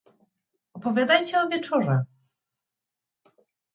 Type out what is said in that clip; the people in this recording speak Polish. "opowiadajcie o wieczorze!"